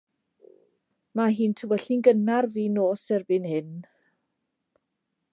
Mae hi'n tywyllu'n gynnar fin nos erbyn hyn.